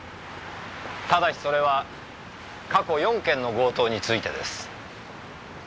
ただしそれは過去４件の強盗についてです。